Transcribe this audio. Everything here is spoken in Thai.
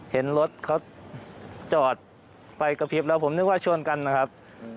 เห็นรถเขาจอดไฟกระพริบแล้วผมนึกว่าชวนกันนะครับ